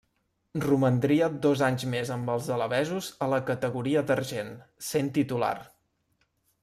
Romandria dos anys més amb els alabesos a la categoria d'argent, sent titular.